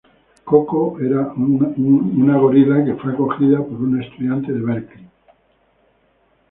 Koko era una gorila que fue acogido por un estudiante de Berkley.